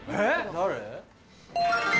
誰？